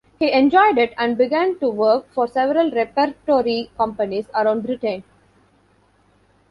He enjoyed it and began to work for several repertory companies around Britain.